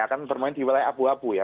akan bermain di wilayah abu abu ya